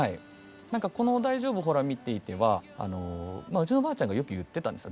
何かこの「大丈夫ほら見ていて」はうちのおばあちゃんがよく言ってたんです